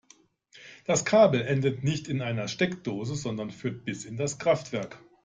Das Kabel endet nicht in einer Steckdose, sondern führt bis in das Kraftwerk.